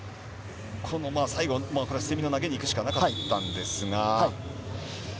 最後、攻めの投げに行くしかなかったんですか。